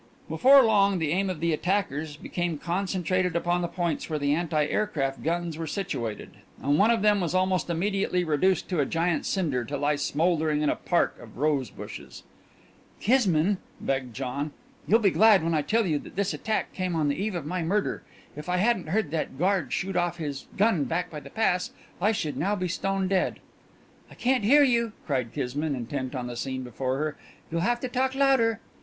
Before long the aim of the attackers became concentrated upon the points where the anti aircraft guns were situated, and one of them was almost immediately reduced to a giant cinder to lie smouldering in a park of rose bushes. "Kismine," begged John, "you'll be glad when I tell you that this attack came on the eve of my murder. If I hadn't heard that guard shoot off his gun back by the pass I should now be stone dead " "I can't hear you!" cried Kismine, intent on the scene before her. "You'll have to talk louder!"